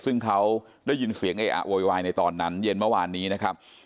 ซึ่งเขาได้ยินเสียงเออะโวยวายในตอนนั้นเย็นเมื่อวานนี้นะครับ